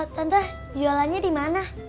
tante jualannya dimana